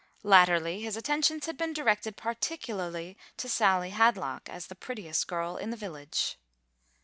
Latterly, his attentions had been directed particularly to Sally Hadlock, as the prettiest girl in the village.